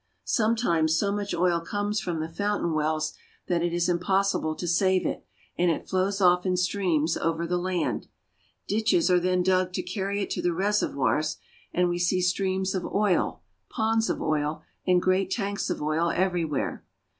Sometimes so much oil comes from the foun tain wells that it is impossible to save it, and it flows off in streams over the land. Ditches are then dug to carry it to the reservoirs, and we see streams of oil, ponds of oil, and great tanks of oil everywhere.